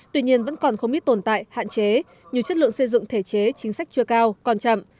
tuy nhiên vẫn còn không ít tồn tại hạn chế như chất lượng xây dựng thể chế chính sách chưa cao còn chậm